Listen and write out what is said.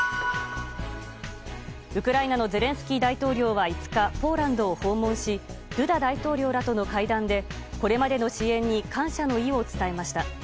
ウクライナのゼレンスキー大統領は５日ポーランドを訪問しドゥダ大統領らとの会談でこれまでの支援に感謝の意を伝えました。